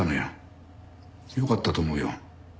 よかったと思うよ。